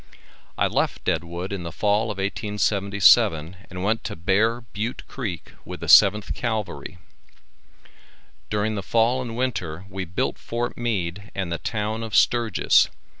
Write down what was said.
I left Deadwood in the fall of 1877, and went to Bear Butte Creek with the 7th Cavalry. During the fall and winter we built Fort Meade and the town of Sturgis.